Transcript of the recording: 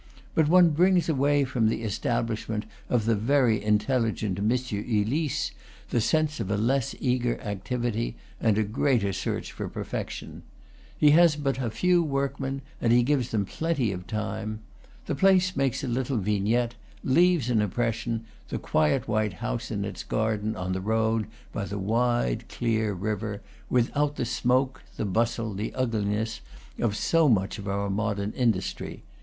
But one brings away from the establishment of the very intelligent M. Ulysse the sense of a less eager activity and a greater search for perfection. He has but a few workmen, and he gives them plenty of time. The place makes a little vignette, leaves an impression, the quiet white house in its garden on the road by the wide, clear river, without the smoke, the bustle, the ugliness, of so much of our modern industry.